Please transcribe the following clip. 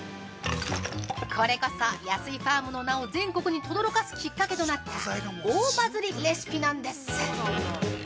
これこそ、安井ファームの名を全国にとどろかすきっかけとなった大バズりレシピなんです！